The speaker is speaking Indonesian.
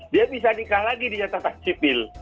dia bisa nikah lagi di catatan sipil